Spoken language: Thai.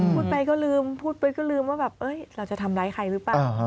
พูดไปก็ลืมพูดไปก็ลืมว่าแบบเราจะทำร้ายใครหรือเปล่า